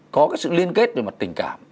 có cái sự liên kết về mặt tình cảm